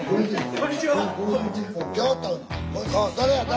こんにちは。